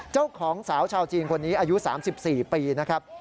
เจ้าของสาวชาวจีนคนนี้อายุ๓๔ปีนะครับ